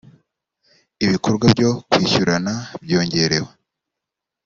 ibikorwa byo kwishyurana byongerewe